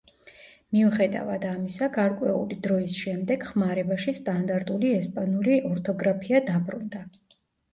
მიუხედავად ამისა, გარკვეული დროის შემდეგ ხმარებაში სტანდარტული ესპანური ორთოგრაფია დაბრუნდა.